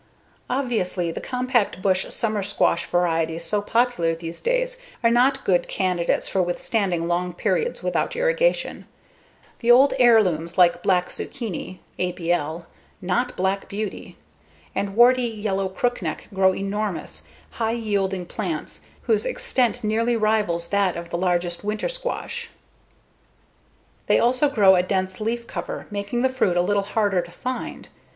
Obviously, the compact bush summer squash varieties so popular these days are not good candidates for withstanding long periods without irrigation. The old heirlooms like Black Zucchini (ABL) (not Black Beauty!) and warty Yellow Crookneck grow enormous, high yielding plants whose extent nearly rivals that of the largest winter squash. They also grow a dense leaf cover, making the fruit a little harder to find.